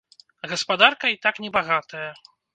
Гаспадарка і так небагатая.